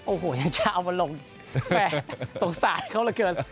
โอ้โหอยากจะเอามาลงแม่สงสารเขาเหลือเกิน